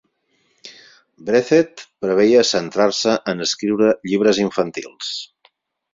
Breathed preveia centrar-se en escriure llibres infantils.